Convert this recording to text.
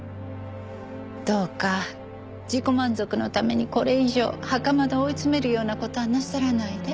どうか自己満足のためにこれ以上袴田を追い詰めるような事はなさらないで。